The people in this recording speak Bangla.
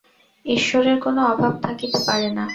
ঈশ্বরের কোন অভাব থাকিতে পারে না।